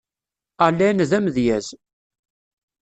Allen d amedyaz.